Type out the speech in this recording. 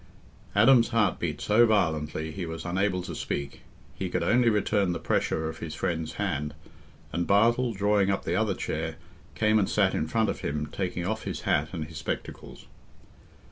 Adam's heart beat so violently he was unable to speak—he could only return the pressure of his friend's hand—and Bartle, drawing up the other chair, came and sat in front of him, taking off his hat and his spectacles.